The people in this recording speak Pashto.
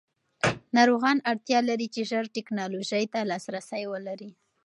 ناروغان اړتیا لري چې ژر ټېکنالوژۍ ته لاسرسی ولري.